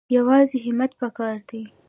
یوازې همت پکار دی